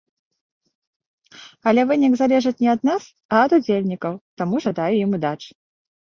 Але вынік залежыць не ад нас, а ад удзельнікаў, таму жадаю ім удачы!